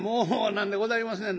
なんでございますね